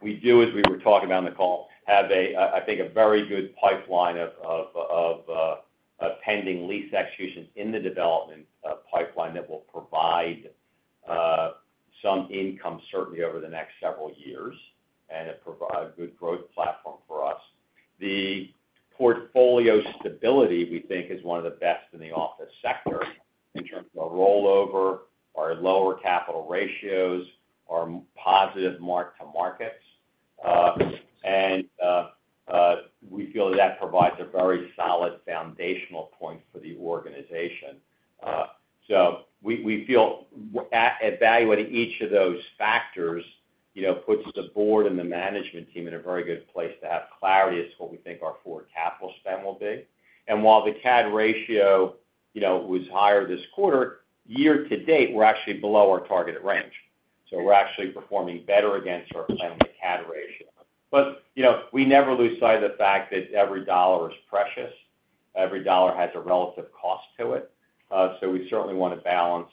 We do, as we were talking about on the call, have, I think, a very good pipeline of pending lease executions in the development pipeline that will provide some income certainly over the next several years, and it provide a good growth platform for us. The portfolio stability, we think, is one of the best in the office sector in terms of our rollover, our lower capital ratios, our positive mark-to-markets. And we feel that provides a very solid foundational point for the organization. So we feel evaluating each of those factors, you know, puts the board and the management team in a very good place to have clarity as to what we think our forward capital spend will be. While the CAD ratio, you know, was higher this quarter, year to date, we're actually below our targeted range. So we're actually performing better against our planned CAD ratio. But, you know, we never lose sight of the fact that every dollar is precious. Every dollar has a relative cost to it. So we certainly want to balance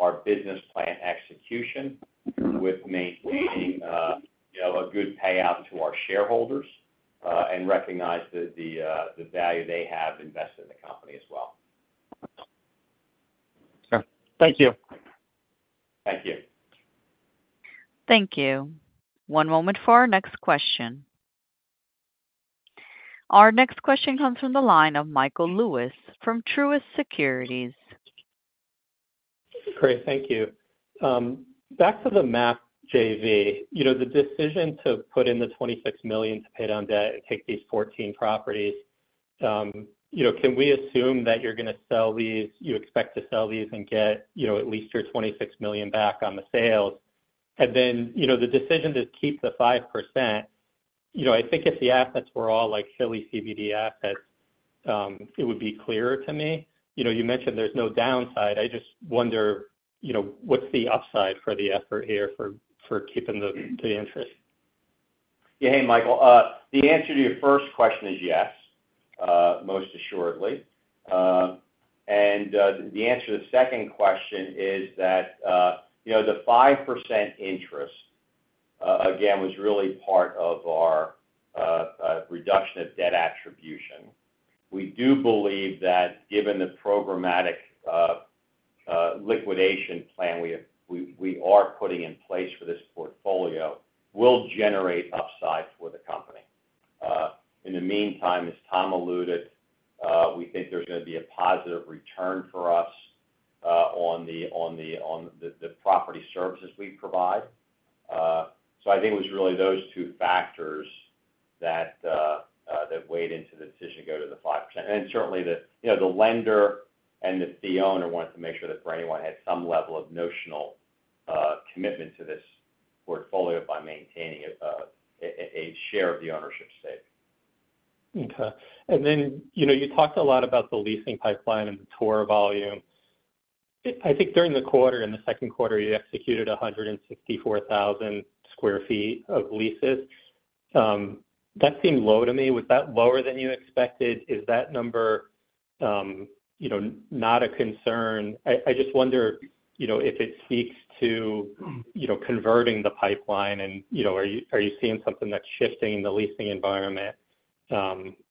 our business plan execution with maintaining, you know, a good payout to our shareholders, and recognize the value they have invested in the company as well. Sure. Thank you. Thank you. Thank you. One moment for our next question. Our next question comes from the line of Michael Lewis from Truist Securities. Great. Thank you. Back to the MAP JV. You know, the decision to put in the $26 million to pay down debt and take these 14 properties, you know, can we assume that you're gonna sell these, you expect to sell these and get, you know, at least your $26 million back on the sales? And then, you know, the decision to keep the 5%, you know, I think if the assets were all like Philly CBD assets, it would be clearer to me. You know, you mentioned there's no downside. I just wonder, you know, what's the upside for the effort here for, for keeping the, the interest? Yeah. Hey, Michael. The answer to your first question is yes, most assuredly. And the answer to the second question is that, you know, the 5% interest, again, was really part of our reduction of debt attribution. We do believe that given the programmatic liquidation plan we are putting in place for this portfolio will generate upside for the company. In the meantime, as Tom alluded, we think there's gonna be a positive return for us on the property services we provide. So I think it was really those two factors that weighed into the decision to go to the 5%. Certainly, you know, the lender and the fee owner wanted to make sure that Brandywine had some level of notional commitment to this portfolio by maintaining a share of the ownership stake. Okay. And then, you know, you talked a lot about the leasing pipeline and the tour volume. I think during the quarter, in the second quarter, you executed 164,000 sq ft of leases. That seemed low to me. Was that lower than you expected? Is that number... you know, not a concern. I just wonder, you know, if it speaks to, you know, converting the pipeline and, you know, are you seeing something that's shifting in the leasing environment?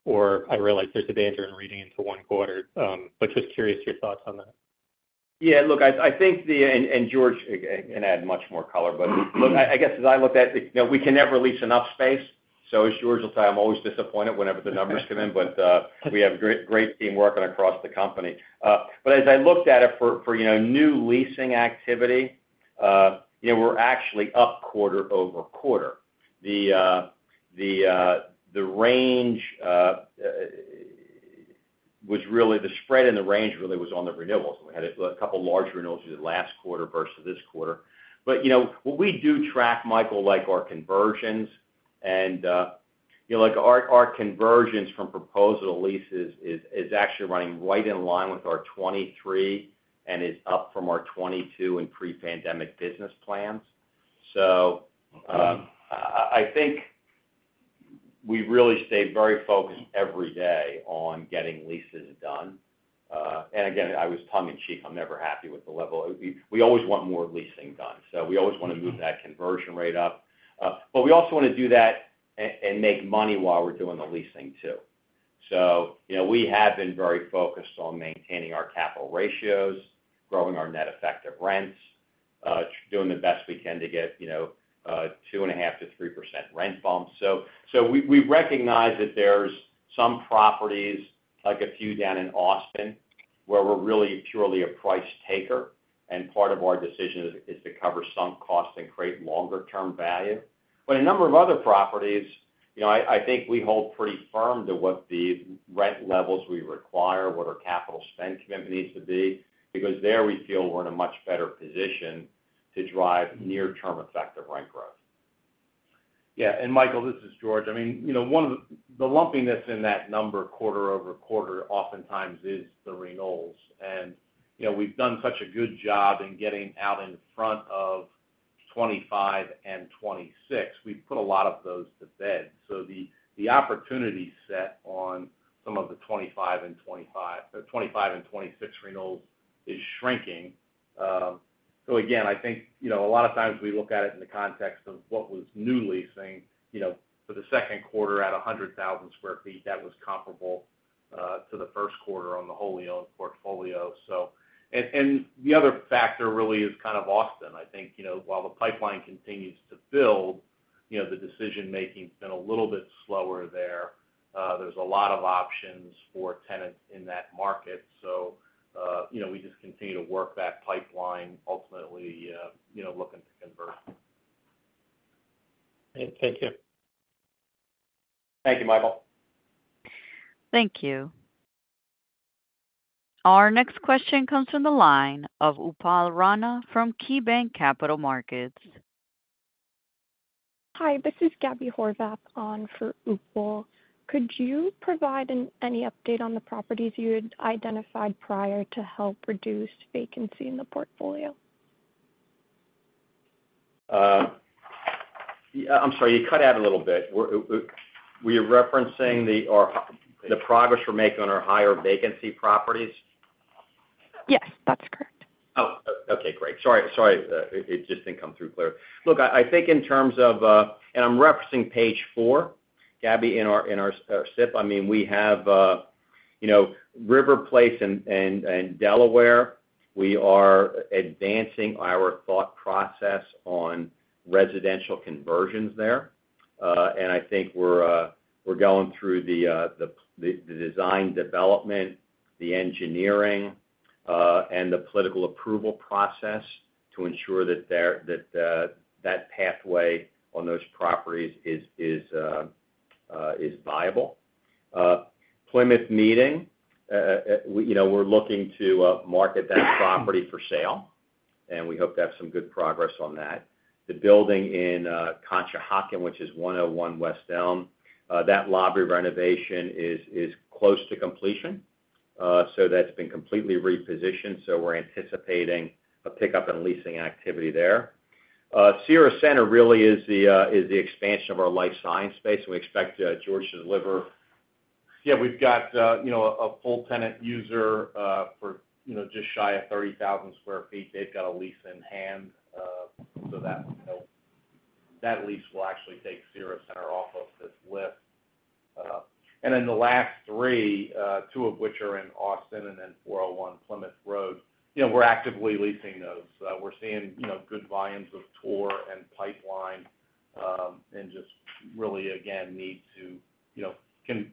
Or I realize there's a danger in reading into one quarter, but just curious your thoughts on that. Yeah, look, I think and George can add much more color. But, look, I guess, as I looked at it, you know, we can never lease enough space, so as George will say, I'm always disappointed whenever the numbers come in. But, we have great, great team working across the company. But as I looked at it, for you know, new leasing activity, you know, we're actually up QoQ. The range was really the spread in the range really was on the renewals. We had a couple larger renewals last quarter versus this quarter. But, you know, we do track, Michael, like our conversions and, you know, like our conversions from proposal leases is actually running right in line with our 2023, and is up from our 2022 in pre-pandemic business plans. So, I think we've really stayed very focused every day on getting leases done. And again, I was tongue-in-cheek, I'm never happy with the level. We always want more leasing done, so we always wanna move that conversion rate up. But we also wanna do that and make money while we're doing the leasing too. So, you know, we have been very focused on maintaining our capital ratios, growing our net effective rents, doing the best we can to get, you know, 2.5%-3% rent bumps. So, we recognize that there's some properties, like a few down in Austin, where we're really purely a price taker, and part of our decision is to cover some costs and create longer term value. But a number of other properties, you know, I think we hold pretty firm to what the rent levels we require, what our capital spend commitment needs to be, because there we feel we're in a much better position to drive near-term effective rent growth. Yeah, and Michael, this is George. I mean, you know, one of the... the lumpiness in that number, QoQ, oftentimes is the renewals. And, you know, we've done such a good job in getting out in front of 25 and 26. We've put a lot of those to bed. So the opportunity set on some of the 25 and 26 renewals is shrinking. So again, I think, you know, a lot of times we look at it in the context of what was new leasing, you know, for the second quarter at 100,000 sq ft, that was comparable to the first quarter on the wholly owned portfolio, so. And the other factor really is kind of Austin. I think, you know, while the pipeline continues to build, you know, the decision making has been a little bit slower there. There's a lot of options for tenants in that market. So, you know, we just continue to work that pipeline, ultimately, you know, looking to convert. Thank you. Thank you, Michael. Thank you. Our next question comes from the line of Upal Rana from KeyBanc Capital Markets. Hi, this is Gabby Horvath on for Upal. Could you provide any update on the properties you had identified prior to help reduce vacancy in the portfolio? Yeah, I'm sorry, you cut out a little bit. Were you referencing the, our, the progress we're making on our higher vacancy properties? Yes, that's correct. Oh, okay, great. Sorry, sorry, it just didn't come through clear. Look, I think in terms of, and I'm referencing page 4, Gabby, in our SIP. I mean, we have, you know, River Place and Delaware. We are advancing our thought process on residential conversions there. And I think we're going through the design development, the engineering, and the political approval process to ensure that that pathway on those properties is viable. Plymouth Meeting, you know, we're looking to market that property for sale, and we hope to have some good progress on that. The building in Conshohocken, which is 101 West Elm, that lobby renovation is close to completion. So that's been completely repositioned, so we're anticipating a pickup in leasing activity there. Cira Centre really is the expansion of our life science space, and we expect George to deliver. Yeah, we've got, you know, a full tenant user, for, you know, just shy of 30,000 sq ft. They've got a lease in hand, so that, that lease will actually take Cira Centre off of this list. And then the last three, two of which are in Austin and then 401 Plymouth Road. You know, we're actively leasing those. We're seeing, you know, good volumes of tour and pipeline, and just really again, need to, you know,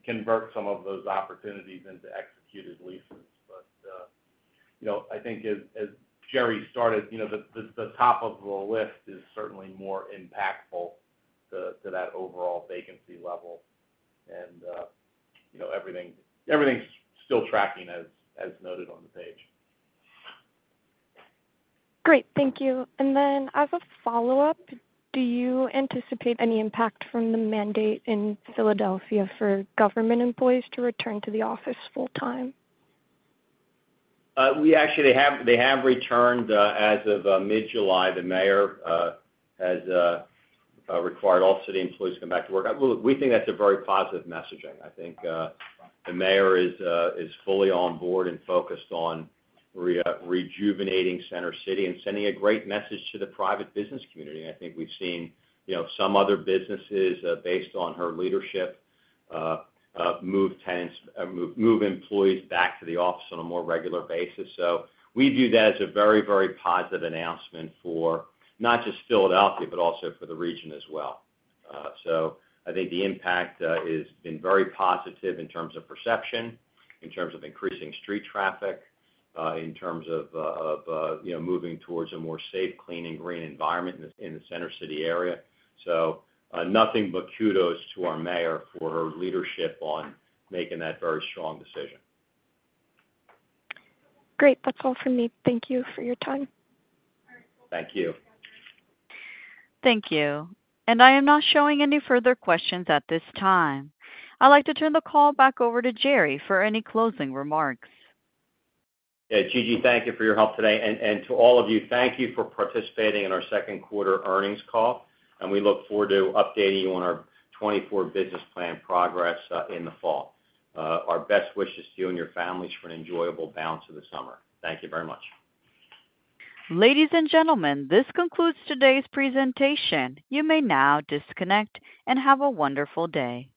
convert some of those opportunities into executed leases. But, you know, I think as, as Jerry started, you know, the, the, the top of the list is certainly more impactful to, to that overall vacancy level. And, you know, everything, everything's still tracking as, as noted on the page. Great, thank you. And then, as a follow-up, do you anticipate any impact from the mandate in Philadelphia for government employees to return to the office full-time? We actually, they have returned as of mid-July. The mayor has required all city employees to come back to work. Well, we think that's a very positive messaging. I think the mayor is fully on board and focused on rejuvenating Center City and sending a great message to the private business community. I think we've seen, you know, some other businesses based on her leadership move employees back to the office on a more regular basis. So we view that as a very, very positive announcement for not just Philadelphia, but also for the region as well. So I think the impact has been very positive in terms of perception, in terms of increasing street traffic, in terms of you know, moving towards a more safe, clean, and green environment in the Center City area. So, nothing but kudos to our mayor for her leadership on making that very strong decision. Great. That's all for me. Thank you for your time. Thank you. Thank you. I am not showing any further questions at this time. I'd like to turn the call back over to Jerry for any closing remarks. Yeah, Gigi, thank you for your help today. And to all of you, thank you for participating in our second quarter earnings call, and we look forward to updating you on our 2024 business plan progress, in the fall. Our best wishes to you and your families for an enjoyable balance of the summer. Thank you very much. Ladies and gentlemen, this concludes today's presentation. You may now disconnect and have a wonderful day.